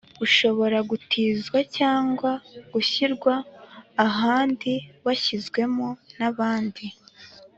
Ushobora gutizwa cyangwa gushyirwa ahandi washyizwemo n’abandi